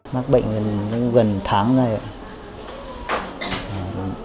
mắc bệnh gần tháng rồi ạ